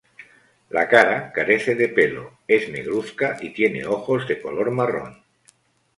La cara carece de pelo, es negruzca y tiene ojos de color marrón.